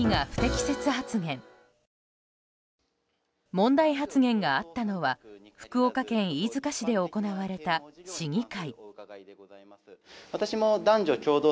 問題発言があったのは福岡県飯塚市で行われた市議会。